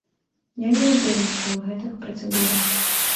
Я не ўдзельнічаю ў гэтых працэдурах.